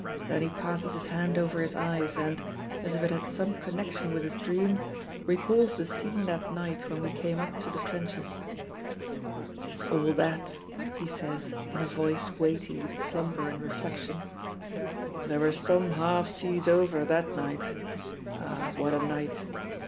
Then he passes his hand over his eyes and as if it had some connection with his dream recalls the scene that night when we came up to the trenches "For all that," he says, in a voice weighty with slumber and reflection, "there were some half seas over that night! Ah, what a night!